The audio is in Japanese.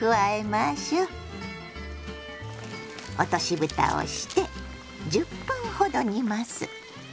落としぶたをして１０分ほど煮ます。